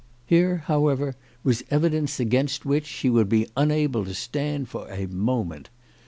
Here, however, was evidence against which she would be unable to stand for a moment.